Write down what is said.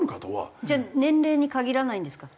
じゃあ年齢に限らないんですか？